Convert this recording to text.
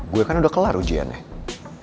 gue kan udah kelar ujiannya